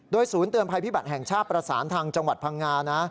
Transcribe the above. ศูนย์เตือนภัยพิบัติแห่งชาติประสานทางจังหวัดพังงานะ